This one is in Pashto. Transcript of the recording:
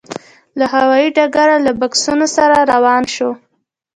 له هوايي ډګره له بکسونو سره روان شوو.